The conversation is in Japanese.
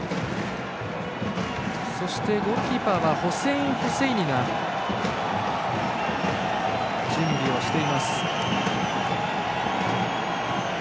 そしてゴールキーパーはホセイン・ホセイニが準備をしています。